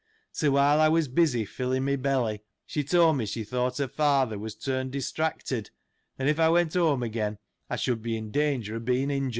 So, while I was busy filling my belly, '^ she told me she thought her father was turned distracted, and if I went home again, I should be in danger of being injured.